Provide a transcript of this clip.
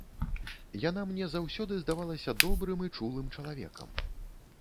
Яна мне заўсёды здавалася добрым і чулым чалавекам.